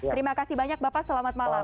terima kasih banyak bapak selamat malam